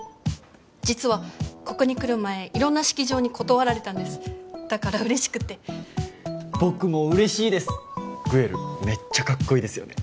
実はここに来る前色んな式場に断られたんですだから嬉しくて僕も嬉しいですグエルメッチャかっこいいですよね